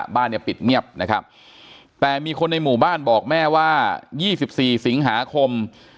บ้านเนี่ยปิดเงียบนะครับแต่มีคนในหมู่บ้านบอกแม่ว่า๒๔สิงหาคม